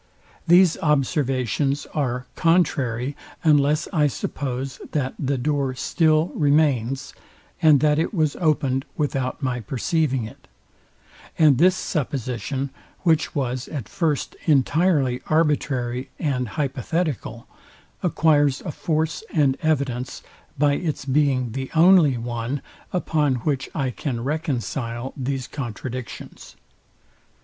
These observations are contrary, unless I suppose that the door still remains, and that it was opened without my perceiving it: And this supposition, which was at first entirely arbitrary and hypothetical, acquires a force and evidence by its being the only one, upon which I can reconcile these contradictions.